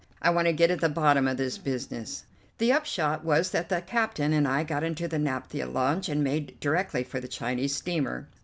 I want to get at the bottom of this business." The upshot was that the captain and I got into the naphtha launch and made directly for the Chinese steamer.